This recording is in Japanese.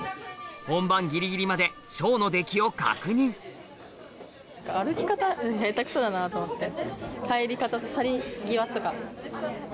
本番ギリギリまでショーの出来を確認だなと思って。